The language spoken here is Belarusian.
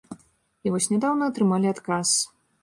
І вось нядаўна атрымалі адказ.